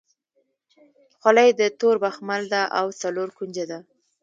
خولۍ د تور بخمل ده او څلور کونجه ده.